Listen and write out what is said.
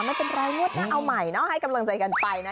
ไม่เป็นไรงวดหน้าเอาใหม่เนาะให้กำลังใจกันไปนะ